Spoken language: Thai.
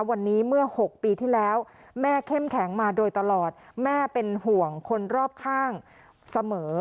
วันนี้เมื่อ๖ปีที่แล้วแม่เข้มแข็งมาโดยตลอดแม่เป็นห่วงคนรอบข้างเสมอ